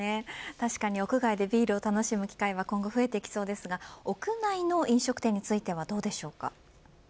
確かに、屋外でビールを楽しむ機会は今後、増えてきそうですが屋内の飲食店はどうですか。